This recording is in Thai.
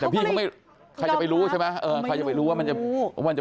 แต่ทางร้านบอกว่าไม่ใช่ละมั้งถึงจะฝาสีแดงเหมือนกัน